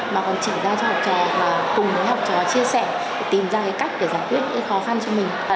mà còn trải ra cho học trò và cùng với học trò chia sẻ tìm ra cái cách để giải quyết những khó khăn cho mình